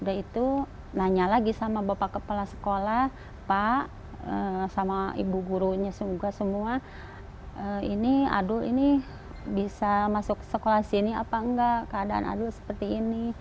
udah itu nanya lagi sama bapak kepala sekolah pak sama ibu gurunya semoga semua ini adul ini bisa masuk sekolah sini apa enggak keadaan adul seperti ini